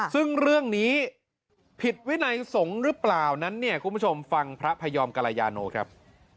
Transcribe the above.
ซึ่งเรื่องนี้ผิดวินัยสงฆ์หรือเปล่านั้นเนี่ยคุณผู้ชมฟังพระพยอมกรยาโนครับ